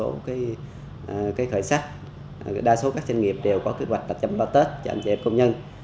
một số cái khởi sách đa số các doanh nghiệp đều có kế hoạch chăm lo tết cho anh chị em công nhân